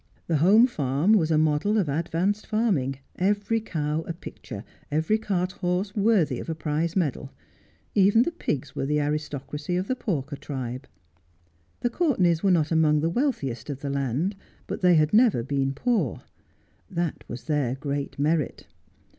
The home farm was a model of advanced farming, every cow a picture, every carthorse worthy of a prize medal. Even the pigs were the aristocracy of the porker tribe. The Courtenays were not among the wealthiest of the land, but they had never been poor. That was their great merit.